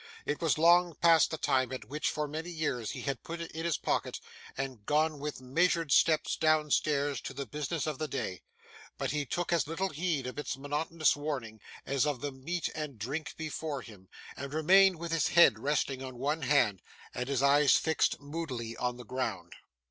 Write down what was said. It was long past the time at which, for many years, he had put it in his pocket and gone with measured steps downstairs to the business of the day, but he took as little heed of its monotonous warning, as of the meat and drink before him, and remained with his head resting on one hand, and his eyes fixed moodily on the ground.